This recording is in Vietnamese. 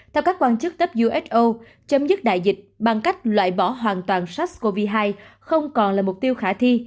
theo các quan chức cấp uso chấm dứt đại dịch bằng cách loại bỏ hoàn toàn sars cov hai không còn là mục tiêu khả thi